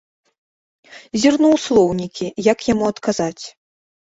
Зірну ў слоўнікі, як яму адказаць.